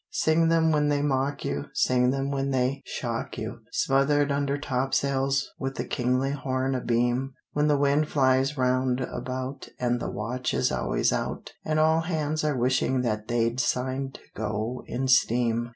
Sing them when they mock you, Sing them when they shock you, Smothered under topsails with the kingly Horn abeam; When the wind flies round about And the watch is always out, And all hands are wishing that they'd signed to go in steam.